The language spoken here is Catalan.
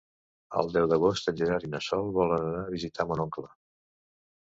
El deu d'agost en Gerard i na Sol volen anar a visitar mon oncle.